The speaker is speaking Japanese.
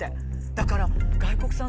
だから。